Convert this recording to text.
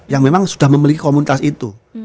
yang memang sudah memiliki komunitas itu